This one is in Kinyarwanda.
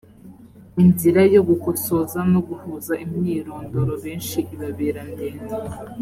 inzira yo gukosoza no guhuza imyirondoro benshi ibabera ndende